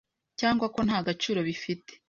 cyangwa ko nta gaciro bifite;